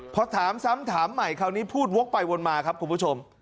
พอถามซ้ำถามใหม่คราวนี้พูดวกไปวนมาครับคุณผู้ชม